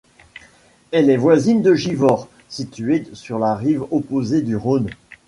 Elle est voisine de Givors, située sur le rive opposée du Rhône.